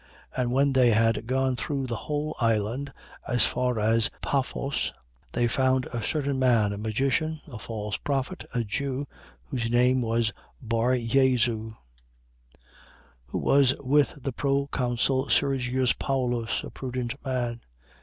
13:6. And when they had gone through the whole island, as far as Paphos, they found a certain man, a magician, a false prophet, a Jew, whose name was Bar Jesu: 13:7. Who was with the proconsul Sergius Paulus, a prudent man.